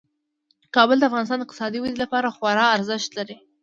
کابل د افغانستان د اقتصادي ودې لپاره خورا ارزښت لري.